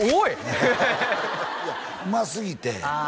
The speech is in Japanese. いやうますぎて